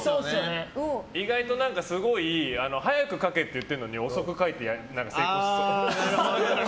意外とすごい早く書けって言ってるのに遅く書いて成功しそう。